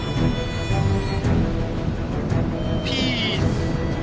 ピース。